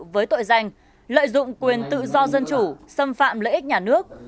với tội danh lợi dụng quyền tự do dân chủ xâm phạm lợi ích nhà nước